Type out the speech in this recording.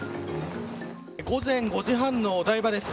午前５時半のお台場です。